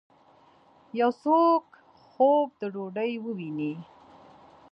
یو څوک خوب د ډوډۍ وویني